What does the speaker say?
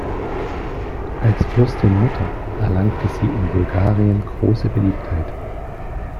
Als "Fürstin-Mutter" erlangte sie in Bulgarien große Beliebtheit.